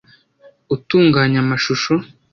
utunganya amashusho